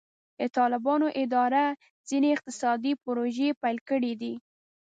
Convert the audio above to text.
د طالبانو اداره ځینې اقتصادي پروژې پیل کړې دي.